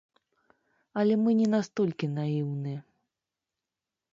Але мы не настолькі наіўныя.